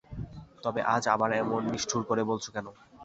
তবে আজ আবার অমন নিষ্ঠুর করে বলছ কেন?